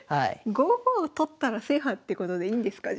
５五を取ったら制覇ってことでいいんですか？